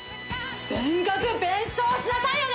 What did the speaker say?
全額弁償しなさいよね！